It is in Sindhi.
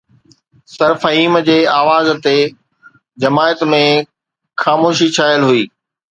سرفهيم جي آواز تي جماعت ۾ خاموشي ڇانيل هئي